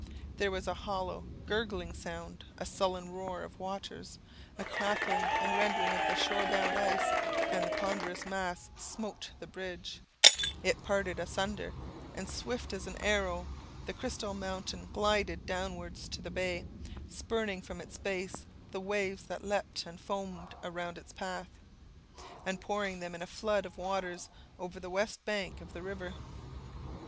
There was a hollow, gurgling sound, a sullen roar of waters, a cracking and rending of the shore bound ice, and the ponderous mass smote the bridge; it parted asunder, and swift as an arrow the crystal mountain glided downwards to the bay, spurning from its base the waves that leaped and foamed around its path, and pouring them in a flood of waters over the west bank of the river.